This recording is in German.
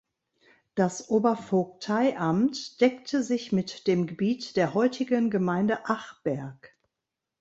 Das Obervogteiamt deckte sich mit dem Gebiet der heutigen Gemeinde Achberg.